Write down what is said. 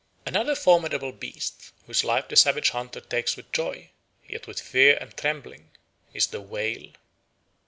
Another formidable beast whose life the savage hunter takes with joy, yet with fear and trembling, is the whale.